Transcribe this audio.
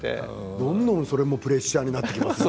どんどん、それもプレッシャーになってきますよね。